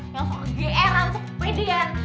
yang suka gr rancang pedean